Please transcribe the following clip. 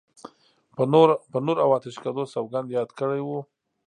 په نور او آتشکدو سوګند یاد کړی و.